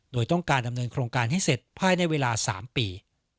โดยต้องการดำเนินโครงการให้เสร็จภายในเวลา๓ปี